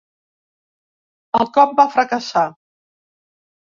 El cop va fracassar.